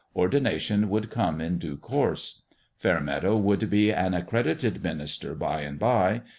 Ordination would come in due course. Fairmeadow would be an accredited minister by and by.